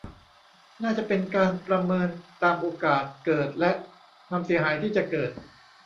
น่าจะเป็นการประเมินตามโอกาสเกิดและความเสียหายที่จะเกิด